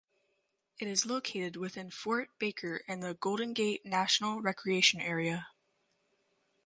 It is located within Fort Baker in the Golden Gate National Recreation Area.